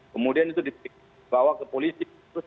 kemudian itu dibawa ke polisi